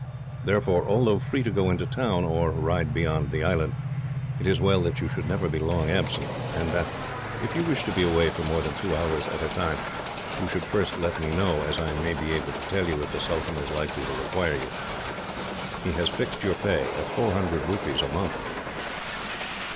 Therefore, although free to go into the town, or ride beyond the island, it is well that you should never be long absent; and that, if you wish to be away for more than two hours at a time, you should first let me know, as I may be able to tell you if the sultan is likely to require you. He has fixed your pay at four hundred rupees a month."